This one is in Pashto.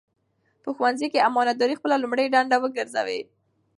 په ښوونځي کې امانتداري خپله لومړنۍ دنده وګرځوئ.